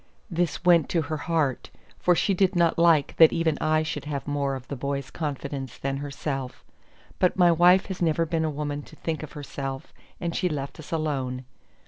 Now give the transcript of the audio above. This went to her heart; for she did not like that even I should have more of the boy's confidence than herself; but my wife has never been a woman to think of herself, and she left us alone.